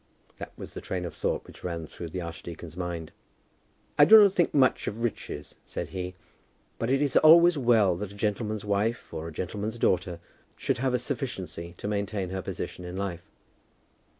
That was the train of thought which ran through the archdeacon's mind. "I do not think much of riches," said he, "but it is always well that a gentleman's wife or a gentleman's daughter should have a sufficiency to maintain her position in life."